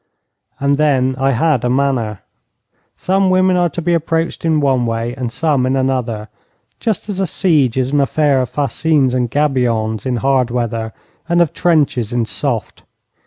And then I had a manner. Some women are to be approached in one way and some in another, just as a siege is an affair of fascines and gabions in hard weather and of trenches in soft.